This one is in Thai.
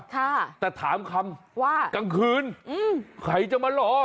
แต่ถามคำว่ากลางคืนใครจะมารอ